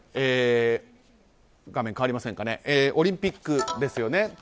オリンピックですよね。